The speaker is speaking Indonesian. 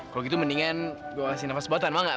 kalo gitu mendingan gua kasih nafas buatan mau gak